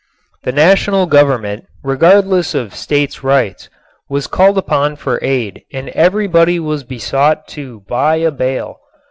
The national Government, regardless of states' rights, was called upon for aid and everybody was besought to "buy a bale."